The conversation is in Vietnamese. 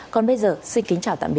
còn bây giờ xin kính chào tạm biệt